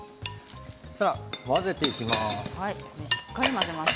混ぜていきます。